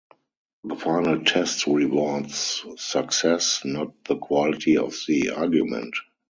The final test rewards success, not the quality of the argument.